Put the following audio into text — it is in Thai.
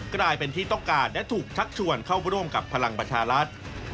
กลายเป็นที่ต้องการและถูกชักชวนเข้าร่วมกับพลังประชารัฐ